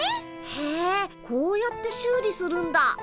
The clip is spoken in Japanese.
へえこうやって修理するんだ。